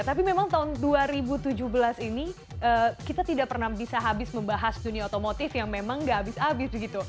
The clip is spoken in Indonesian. tapi memang tahun dua ribu tujuh belas ini kita tidak pernah bisa habis membahas dunia otomotif yang memang gak habis habis begitu